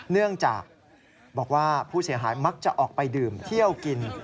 เนื่องจากบอกว่าผู้เสียหายมักจะออกไปดื่มเที่ยวกิน